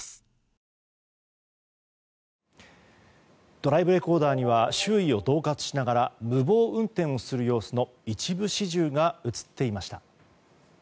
ドライブレコーダーには周囲を恫喝しながら無謀運転をする様子の一部始終が映っていました。